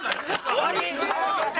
終わり？